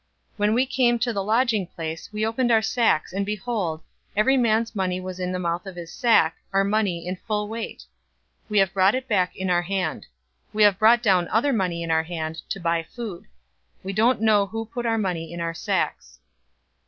043:021 When we came to the lodging place, we opened our sacks, and behold, every man's money was in the mouth of his sack, our money in full weight. We have brought it back in our hand. 043:022 We have brought down other money in our hand to buy food. We don't know who put our money in our sacks."